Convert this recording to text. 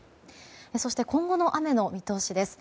そして、今後の雨の見通しです。